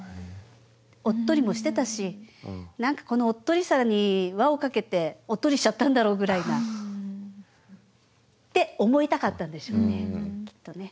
おっとりもしてたし何かこのおっとりさに輪をかけておっとりしちゃったんだろうぐらいなって思いたかったんでしょうねきっとね。